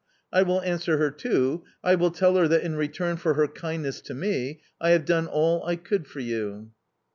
I will answer her too, I will tell her that in return for her kindness to me, I have done all I could for you."